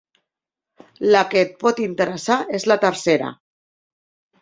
La que et pot interessar és la tercera.